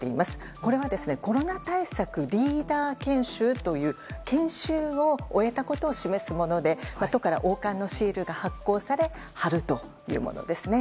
これはコロナ対策リーダー研修という研修を終えたことを示すもので都から王冠のシールが発行され貼るというものです。